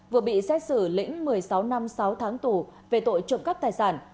vừa bị xét xử lĩnh một mươi sáu năm sáu tháng tù về tội trộm cắp tài sản